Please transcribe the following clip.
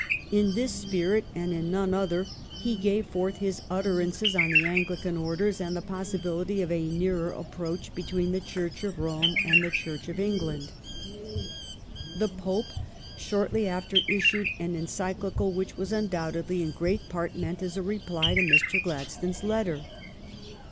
In this spirit, and in none other, he gave forth his utterances on the An glican orders and the possibility of a nearer ap proach between the Church of Rome and the Church of England. PENULTIMATE 42 1 The Pope shortly after issued an Encyclical which was undoubtedly in great part meant as a reply to Mr. Gladstone's letter.